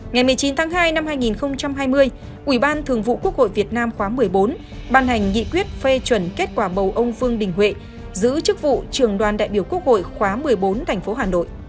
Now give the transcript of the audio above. ngày một mươi chín tháng hai năm hai nghìn hai mươi ủy ban thường vụ quốc hội việt nam khóa một mươi bốn ban hành nghị quyết phê chuẩn kết quả bầu ông vương đình huệ giữ chức vụ trưởng đoàn đại biểu quốc hội khóa một mươi bốn tp hà nội